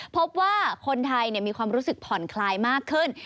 พบว่าคนไทยมีความรู้สึกผ่อนคลายมากขึ้น